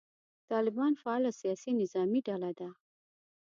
طالبان فعاله سیاسي نظامي ډله ده.